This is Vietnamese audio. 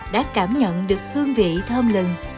đã cảm nhận được hương vị thơm lừng